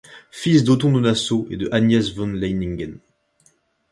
Fils d'Othon de Nassau et de Agnès von Leiningen.